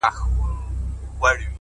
• پلونه یې بادونو له زمان سره شړلي دي,